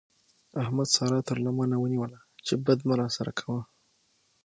احمد سارا تر لمنه ونيوله چې بد مه راسره کوه.